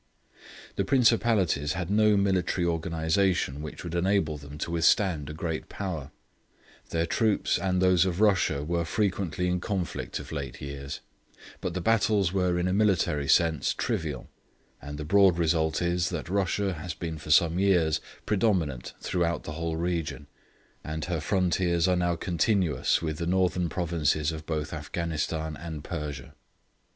The Principalities had no military organisation which would enable them to withstand a great Power; their troops and those of Russia were frequently in conflict of late years; but the battles were in a military sense trivial; and the broad result is, that Russia has been for some years predominant throughout the whole region; and her frontiers are now continuous with the northern provinces of both Afghanistan and Persia.